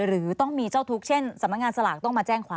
หรือต้องมีเจ้าทุกข์เช่นสำนักงานสลากต้องมาแจ้งความ